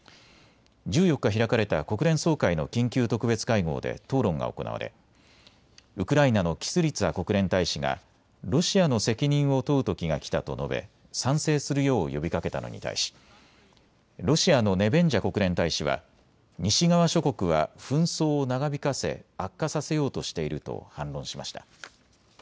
１４日、開かれた国連総会の緊急特別会合で討論が行われウクライナのキスリツァ国連大使がロシアの責任を問うときが来たと述べ賛成するよう呼びかけたのに対しロシアのネベンジャ国連大使は西側諸国は紛争を長引かせ悪化させようとしていると反論しました。